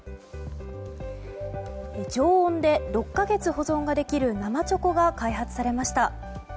常温で６か月保存できる生チョコが開発されました。